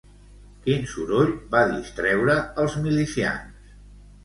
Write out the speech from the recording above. Quin soroll va distreure els milicians?